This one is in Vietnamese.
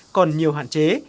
còn nhiều hạn chế